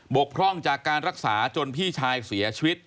กพร่องจากการรักษาจนพี่ชายเสียชีวิต